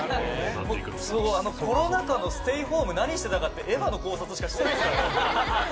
コロナ禍のステイホーム何してたかって『エヴァ』の考察しかしてないですからね。